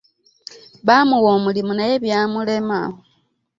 Bamuwa omulimu naye byamulema.